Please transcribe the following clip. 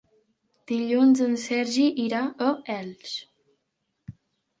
Dilluns en Sergi irà a Elx.